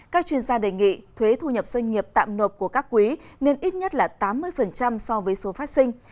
các chuyên gia đề nghị thuế thu nhập doanh nghiệp tạm nộp của các quý nên ít nhất là tám mươi so với số phát sinh